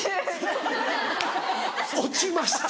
落ちました。